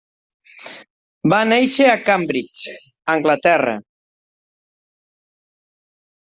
Va néixer a Cambridge, Anglaterra.